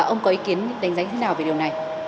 ông có ý kiến đánh giá như thế nào về điều này